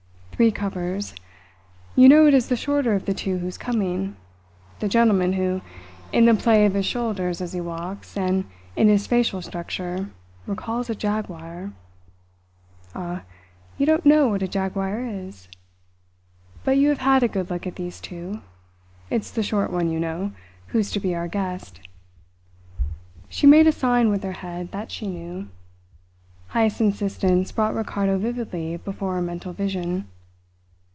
Three covers. You know it is the shorter of the two who's coming the gentleman who, in the play of his shoulders as he walks, and in his facial structure, recalls a Jaguar. Ah, you don't know what a jaguar is? But you have had a good look at these two. It's the short one, you know, who's to be our guest." She made a sign with her head that she knew; Heyst's insistence brought Ricardo vividly before her mental vision.